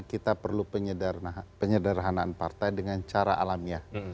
kita perlu penyederhanaan partai dengan cara alamiah